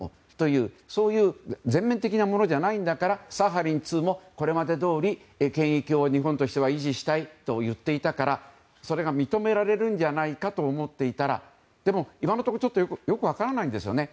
そういう全面的なものじゃないんだから、サハリン２もこれまでどおり権益を日本としては維持したいといっていたからそれが認められるんじゃないかと思っていたら、今のところよく分からないんですよね。